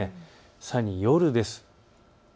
さらに夜です。